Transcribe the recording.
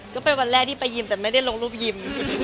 ก็เป็นวันแรกที่ไปยิมแต่ไม่ได้ลงรูปยิม